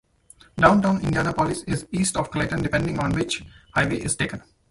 Downtown Indianapolis is east of Clayton, depending on which highway is taken.